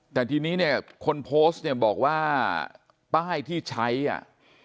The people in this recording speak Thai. แต่ทีนี้เนี่ยคนโพสต์เนี่ยบอกว่าป้ายที่ใช้อ่ะ